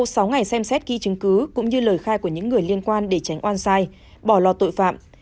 sau sáu ngày xem xét ghi chứng cứ cũng như lời khai của những người liên quan để tránh oan sai bỏ lọt tội phạm